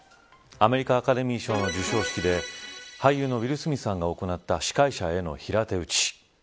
アメリカアカデミー賞の授賞式で俳優のウィル・スミスさんが行った、司会者への平手打ち。